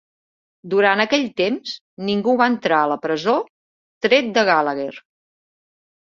Durant aquell temps, ningú va entrar a la presó, tret de Gallagher.